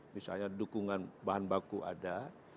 misalnya dukungan bahan baku ada